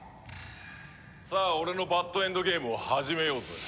さあ俺のバッドエンドゲームを始めようぜ。